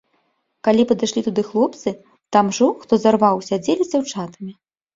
Калі падышлі туды хлопцы, там ужо, хто зарваў, сядзелі з дзяўчатамі.